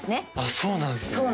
そうなんですね。